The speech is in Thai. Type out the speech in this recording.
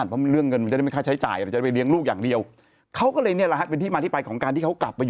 เสร็จปุ๊บไป